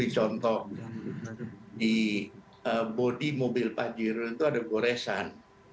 contoh di bodi mobil pajero itu ada goresan